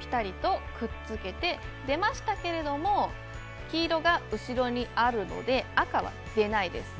ピタリとくっつけて出ましたけども黄色が後ろにあるので赤は出ないです。